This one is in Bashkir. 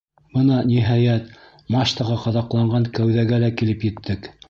Бына, ниһайәт, мачтаға ҡаҙаҡланған кәүҙәгә лә килеп еттек.